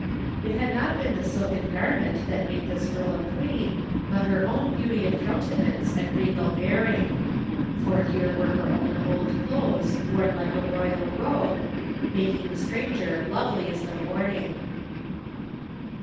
It had not been the silken garment that made this girl a queen, but her own beauty of coun tenance and regal bearing ; for here were her own old clothes worn like a royal robe, making the stranger lovely as the morning.